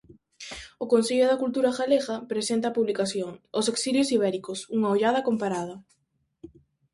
O Consello da Cultura Galega presenta a publicación "Os exilios ibéricos: unha ollada comparada".